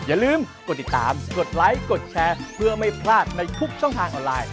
อย่าลืมกดติดตามกดไลค์กดแชร์เพื่อไม่พลาดในทุกช่องทางออนไลน์